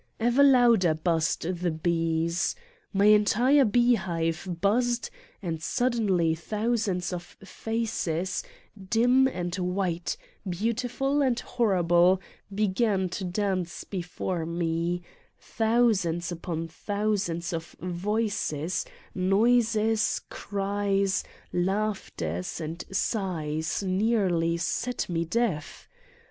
Ever louder buzzed the bees. My entire beehive buzzed and suddenly thousands of faces, dim and white, beautiful and horrible, began to dance before me; thousands upon thousands of voices, noises, cries, laughters and sighs nearly set me deaf.